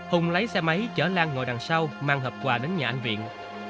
hùng lấy xe máy chở lan ngồi đằng sau mang hộp quả đến nhà anh viện